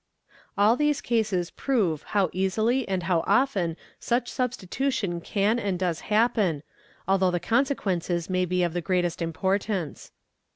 All these cases prove how easily and how often such substitution can. and does happen although the consequences may be of the greatest 1m portance.